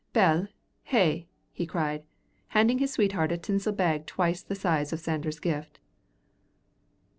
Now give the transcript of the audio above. "Bell, hae!" he cried, handing his sweetheart a tinsel bag twice the size of Sanders' gift.